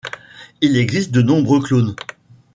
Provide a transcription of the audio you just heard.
Il existe de nombreux clones.